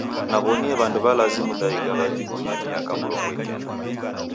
Naw'onie w'andu w'alazi Muthaiga w'avikie miaka mrongo ikenda.